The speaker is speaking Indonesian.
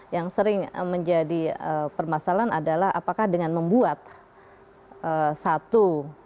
yang sering menjadi permasalahan adalah apakah dengan membuat satu